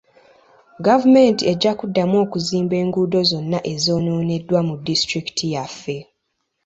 Gavumenti ejja kuddamu okuzimba enguudo zonna ezoonooneddwa mu disitulikiti yaffe